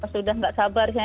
sudah gak sabar